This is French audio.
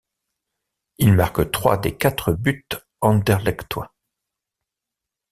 Il marque trois des quatre buts anderlechtois.